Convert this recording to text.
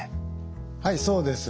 はいそうです。